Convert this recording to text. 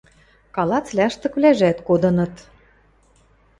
Калац лаштыквлӓжӓт кодыныт.